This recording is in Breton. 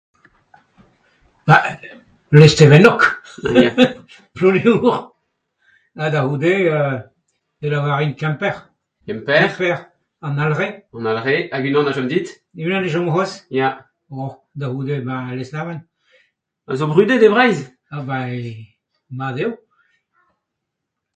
Ba Lestevennog Plouneour ha da c'houde e lavarin Kemper. Kemper ? Kemper, An Alre. An Alre hag unan a chom dit. Unan a chom c'hoazh ? Ya. Da c'houde Lesneven. A zo brudet e Breizh ? Ha [ben] mat eo.